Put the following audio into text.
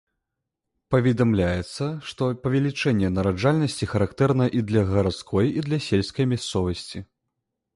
Паведамляецца, што павелічэнне нараджальнасці характэрна і для гарадской, і для сельскай мясцовасці.